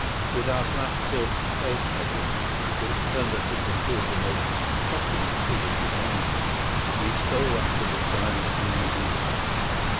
With our black silk face coverings, which turned us into two of the most truculent figures in London, we stole up to the silent, gloomy house.